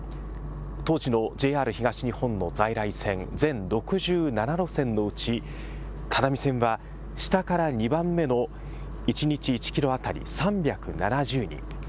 当時のＪＲ東日本の在来線全６７路線のうち只見線は下から２番目の一日１キロ当たり３７０人。